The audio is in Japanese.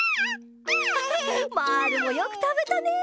まぁるもよくたべたね！